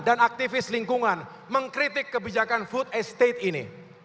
dan aktivis lingkungan mengkritik kebijakan food estate ini